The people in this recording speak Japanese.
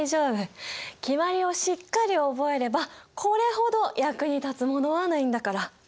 決まりをしっかり覚えればこれほど役に立つものはないんだから。